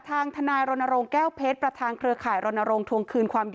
ทางทนายรณรงค์แก้วเพศประทางเครือข่ายรณรงค์ถวงคืนความอีก